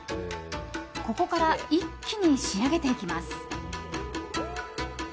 ここから一気に仕上げていきます。